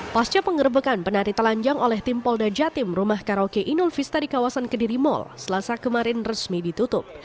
pasca pengerebekan penari telanjang oleh tim polda jatim rumah karaoke inul vista di kawasan kediri mall selasa kemarin resmi ditutup